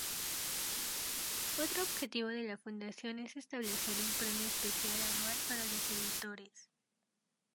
Otro objetivo de la Fundación es establecer un premio especial anual para los editores.